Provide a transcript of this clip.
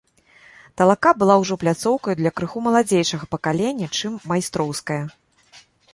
Талака была ўжо пляцоўкаю для крыху маладзейшага пакалення, чым майстроўскае.